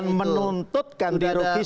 dan menuntut ganti rugi satu triliun